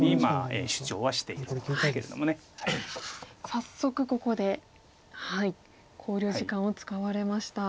早速ここで考慮時間を使われました。